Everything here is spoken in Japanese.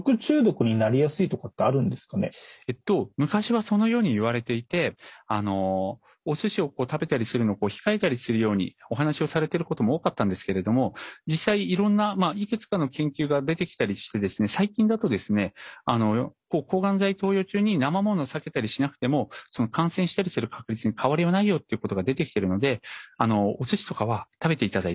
昔はそのようにいわれていてお寿司を食べたりするのを控えたりするようにお話をされてることも多かったんですけれども実際いろんないくつかの研究が出てきたりしてですね最近だとですね抗がん剤投与中になまものを避けたりしなくても感染したりする確率に変わりはないよっていうことが出てきているのでお寿司とかは食べていただいて大丈夫です。